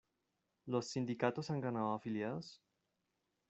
¿Los sindicatos han ganado afiliados?